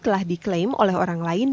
telah diklaim oleh orang lain